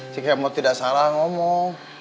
si kemot tidak salah ngomong